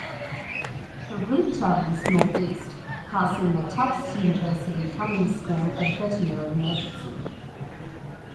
The route travels northeast, passing the Tufts University Cummings School of Veterinary Medicine.